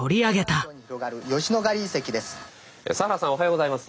佐原さんおはようございます。